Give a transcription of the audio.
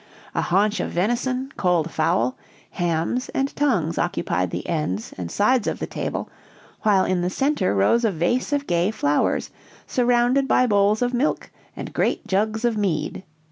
A haunch of venison, cold fowl, hams, and tongues occupied the ends and sides of the table, while in the center rose a vase of gay flowers, surrounded by bowls of milk and great jugs of mead.